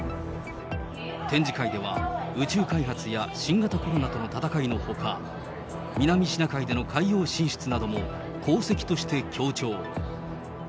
展示会では、宇宙開発や新型コロナとの戦いのほか、南シナ海での海洋進出なども功績として強調。